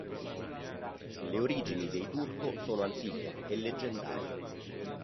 Le origini dei Turco sono antiche e leggendarie.